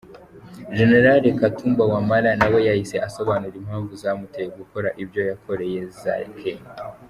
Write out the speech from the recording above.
Gen. Katumba Wamala nawe yahise asobanura impamvu zamuteye gukora ibyo yakoreye Zaake.